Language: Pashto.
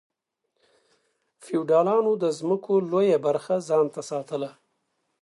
فیوډالانو د ځمکو لویه برخه ځان ته ساتله.